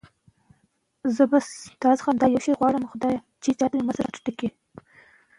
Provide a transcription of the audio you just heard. تغذيه د ماشوم وده پیاوړې کوي.